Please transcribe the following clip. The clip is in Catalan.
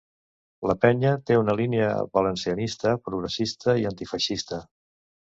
La penya té una línia valencianista, progressista i antifeixista.